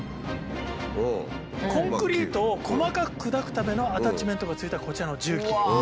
コンクリートを細かく砕くためのアタッチメントが付いたこちらの重機。